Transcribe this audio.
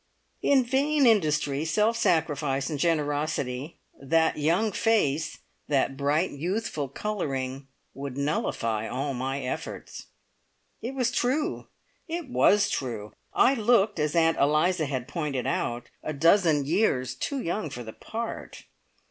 In vain industry, self sacrifice and generosity that young face, that bright youthful colouring would nullify all my efforts. It was true it was true! I looked, as Aunt Eliza had pointed out, a dozen years too young for the part.